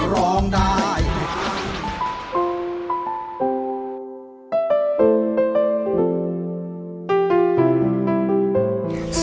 ร้องได้ให้ร้าน